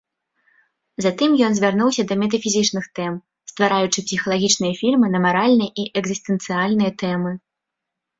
Затым ён звярнуўся да метафізічных тэм, ствараючы псіхалагічныя фільмы на маральныя і экзістэнцыяльныя тэмы.